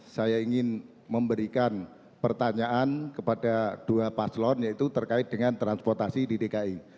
saya ingin memberikan pertanyaan kepada dua paslon yaitu terkait dengan transportasi di dki